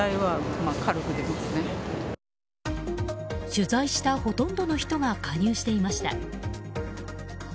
取材したほとんどの人が加入していました。